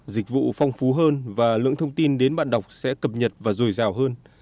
dịch vụ phong phú hơn và lượng thông tin đến bạn đọc sẽ cập nhật và rồi rào hơn